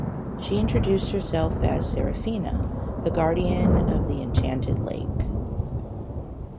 She introduced herself as Seraphina, the guardian of the enchanted lake.